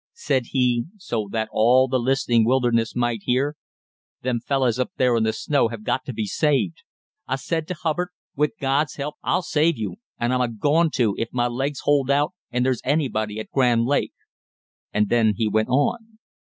Said he, so that all the listening wilderness might hear: "Them fellus up there in the snow have got to be saved. I said to Hubbard, 'With God's help I'll save you,' and I'm a goin' to if my legs hold out and there's anybody at Grand Lake." And then he went on.